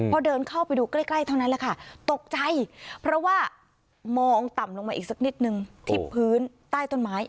พอเดินเข้าไปดูใกล้เท่านั้นแหละค่ะตกใจเพราะว่ามองต่ำลงมาอีกสักนิดนึงที่พื้นใต้ต้นไม้